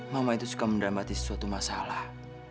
mama itu suka mendapati suatu masalah